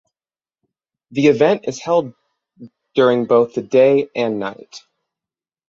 The event is held during both the day and night.